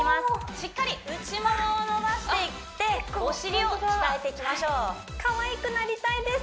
しっかり内ももを伸ばしていってお尻を鍛えていきましょうかわいくなりたいです